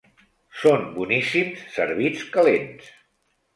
Són boníssims servits calents.